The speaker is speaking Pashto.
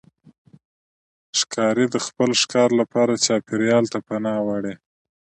ښکاري د خپل ښکار لپاره چاپېریال ته پناه وړي.